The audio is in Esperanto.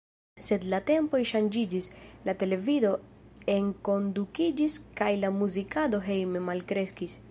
Sed la tempoj ŝanĝiĝis: la televido enkondukiĝis kaj la muzikado hejme malkreskis.